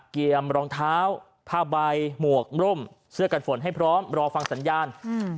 รองเท้าผ้าใบหมวกร่มเสื้อกันฝนให้พร้อมรอฟังสัญญาณอืม